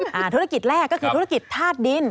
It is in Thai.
ธุรกิจแรกก็คือธุรกิจธาตุดิน